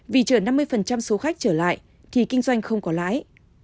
vì chở năm mươi số khách trở lại thì kinh doanh không có lãi